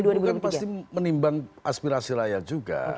ini bukan pasti menimbang aspirasi rakyat juga